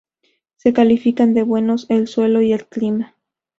Se califican de buenos el suelo y el clima.